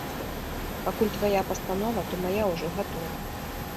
Пакуль твая пастанова, то мая ўжо гатова.